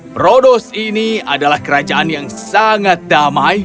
prodos ini adalah kerajaan yang sangat damai